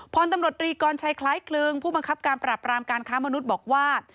พลตำรวจรีกรชัยคล้ายคลึงผู้บังคับการปราบรามการค้ามนุษย์บอกว่า